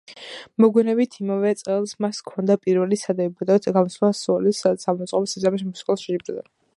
მოგვიანებით, იმავე წელს მას ჰქონდა პირველი სადებიუტო გამოსვლა სეულის სამაუწყებლო სისტემის მუსიკალურ შეჯიბრზე.